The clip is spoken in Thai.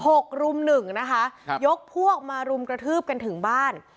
กลุ่มหนึ่งนะคะครับยกพวกมารุมกระทืบกันถึงบ้าน